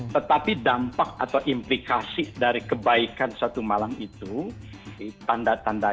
tetapi dampak atau implikasi dari kebaikan satu malam itu tanda tandanya adalah antara lain bahwa orang yang menerima kebaikan itu adalah orang yang menerima kebaikan